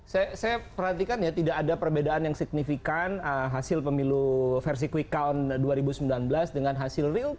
saya perhatikan tidak ada perbedaan yang signifikan hasil pemilu versi quick count dua ribu sembilan belas dengan hasil real count dua ribu empat belas